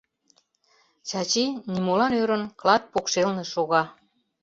Чачи, нимолан ӧрын, клат покшелне шога.